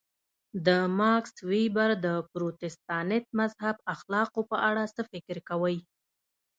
د ماکس وېبر د پروتستانت مذهب اخلاقو په اړه څه فکر کوئ.